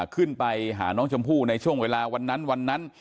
ขึ้นไปหาน้องชมพู่ในช่วงเวลาวันนั้น